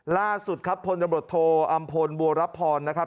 ล่าสุดครับพลตำรวจโทอำพลบัวรับพรนะครับ